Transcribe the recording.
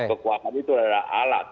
kekuatan itu adalah alat